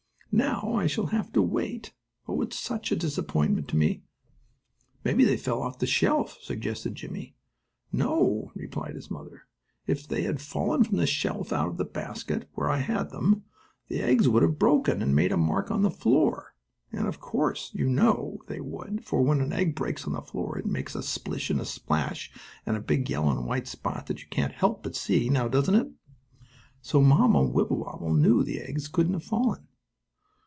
"Now I shall have to wait. Oh, it's such a disappointment to me!" "Maybe they fell off the shelf," suggested Jimmie. "No," replied his mother. "If they had fallen from the shelf out of the basket, where I had them, the eggs would have broken, and made a mark on the floor," and, of course, you know they would, for when an egg breaks on the floor it makes a splish and a splash and a big yellow and white spot that you can't help but see; now, doesn't it? So Mamma Wibblewobble knew the eggs couldn't have fallen.